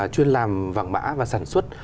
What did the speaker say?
chuyên làm vàng mã và sản xuất